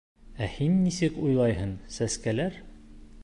Ә һин нисек уйлайһың, сәскәләр...